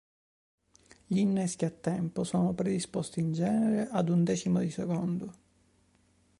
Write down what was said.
Gli inneschi a tempo sono predisposti in genere ad un decimo di secondo.